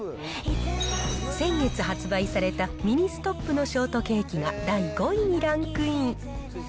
先月発売されたミニストップのショートケーキが第５位にランクイン。